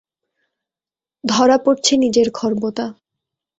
ধরা পড়ছে নিজের খর্বতা।